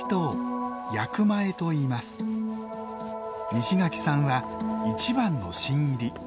西垣さんは一番の新入り。